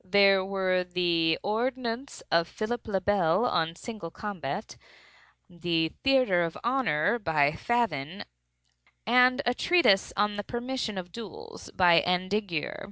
There were the "Ordonnance of Philip le Bel on Single Combat"; the "Theatre of Honor," by Favyn, and a treatise "On the Permission of Duels," by Andiguier.